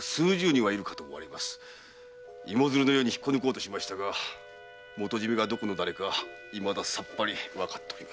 芋蔓のように引き抜こうとしましたが元締めがどこの誰かいまださっぱりわかっておりませぬ。